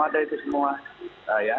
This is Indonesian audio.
ada itu semua ya